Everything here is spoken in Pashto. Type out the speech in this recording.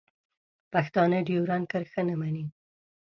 پښتانه ډیورنډ کرښه نه مني.